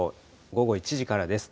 午後１時からです。